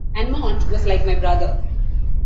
And Monte was like my brother...